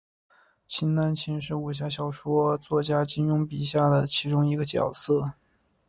秦南琴是武侠小说作家金庸笔下的其中一个角色。